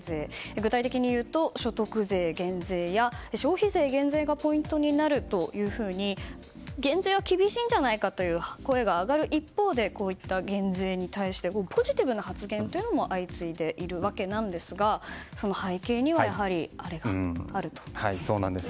具体的に言うと所得税減税や消費税減税がポイントになるというふうに減税は厳しいんじゃないかという声が上がる一方でこういった減税に対してポジティブな発言も相次いでいるわけなんですがその背景にはやはり、あれがあると。